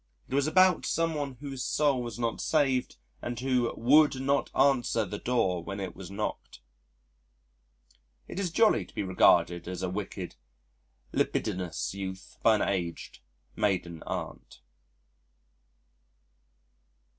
It was about someone whose soul was not saved and who would not answer the door when it was knocked. It is jolly to be regarded as a wicked, libidinous youth by an aged maiden Aunt.